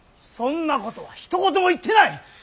そんなことはひと言も言ってない！